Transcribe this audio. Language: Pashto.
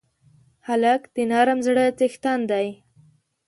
هلک د نرم زړه څښتن دی.